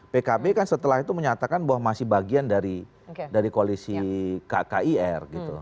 pkb kan setelah itu menyatakan bahwa masih bagian dari koalisi kkir gitu